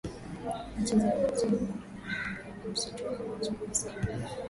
nchi za nje Ni namna gani msitu wa Amazon unasaidia